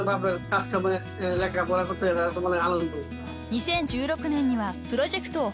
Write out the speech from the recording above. ［２０１６年にはプロジェクトを法人化］